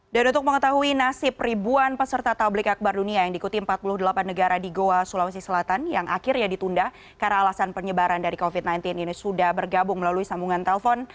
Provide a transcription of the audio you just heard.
untuk mengetahui nasib ribuan peserta tablik akbar dunia yang diikuti empat puluh delapan negara di goa sulawesi selatan yang akhirnya ditunda karena alasan penyebaran dari covid sembilan belas ini sudah bergabung melalui sambungan telpon